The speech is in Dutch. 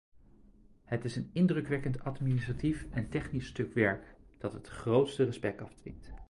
Het is een indrukwekkend administratief en technisch stuk werk dat het grootste respect afdwingt.